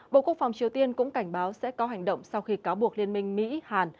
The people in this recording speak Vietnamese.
bộ quốc phòng triều tiên cũng cảnh báo sẽ có hành động sau khi cáo buộc liên minh mỹ hàn